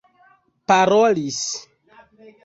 parolis